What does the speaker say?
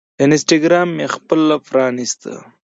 انسټاګرام مې خپل راپرانیست